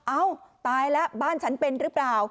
เอ้าตายแล้วบ้านฉันเป็นหรือเปล่า